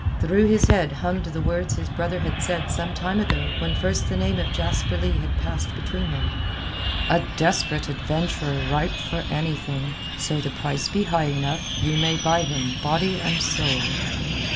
Through his head hummed the words his brother had said some time ago when first the name of Jasper Leigh had passed between them—"a desperate adventurer ripe for anything. So the price be high enough you may buy him body and soul."